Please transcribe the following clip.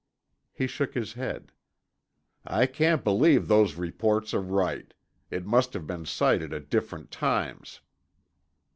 He shook his head. "I can't believe those reports are right. It must have been sighted at different times."